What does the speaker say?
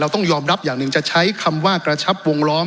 ต้องยอมรับอย่างหนึ่งจะใช้คำว่ากระชับวงล้อม